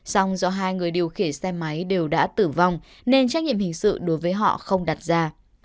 song do hai người điều khiển xe máy đều đã tử vong nên trách nhiệm hình sự đối với họ không đặt ra